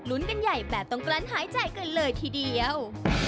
กันใหญ่แบบต้องกลั้นหายใจกันเลยทีเดียว